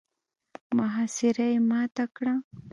محاصره يې ماته کړه.